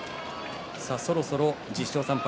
そろそろ１０勝３敗